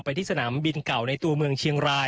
ที่สนามบินเก่าในตัวเมืองเชียงราย